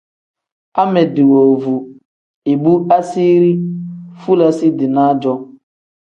Amedi woovu ibu asiiri fulasi-dinaa-jo.